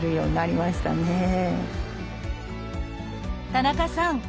田中さん